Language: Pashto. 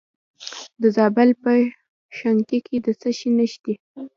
د زابل په شنکۍ کې د څه شي نښې دي؟